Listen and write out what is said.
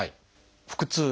腹痛